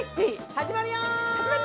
始まるよ！